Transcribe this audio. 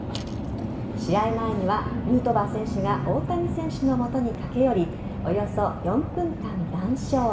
試合前にはヌートバー選手が大谷選手の元に駆け寄りおよそ４分間談笑。